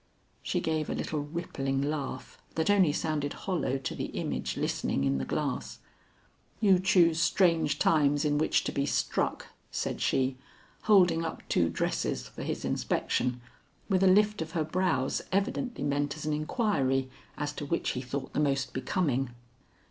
She gave a little rippling laugh that only sounded hollow to the image listening in the glass. "You choose strange times in which to be struck," said she, holding up two dresses for his inspection, with a lift of her brows evidently meant as an inquiry as to which he thought the most becoming.